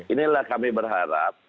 inilah kami berharap